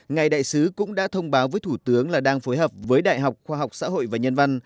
ngài đại sứ cũng đã thông báo với thủ tướng là đang phối hợp với đại học khoa học xã hội và nhân văn